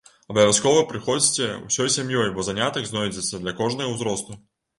Абавязкова прыходзьце ўсёй сям'ёй, бо занятак знойдзецца для кожнага ўзросту.